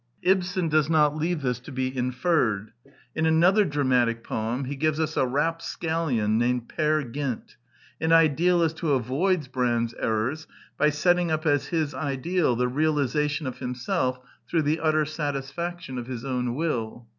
Ibsen does not leave this to be inferred. In another dramatic poem he gives us a rapscallion named Peer Gynt, an idealist who avoids Brand's errors by setting up as his ideal the realization of himself through the utter satis faction of his own will.